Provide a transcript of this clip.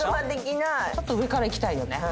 ちょっと上からいきたいよね。